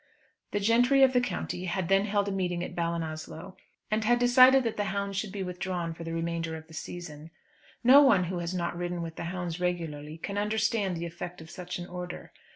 The gentry of the county had then held a meeting at Ballinasloe, and had decided that the hounds should be withdrawn for the remainder of the season. No one who has not ridden with the hounds regularly can understand the effect of such an order.